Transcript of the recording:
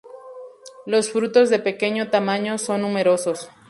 Los frutos de pequeño tamaño son numerosos.